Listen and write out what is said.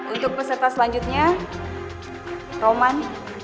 untuk peserta selanjutnya roman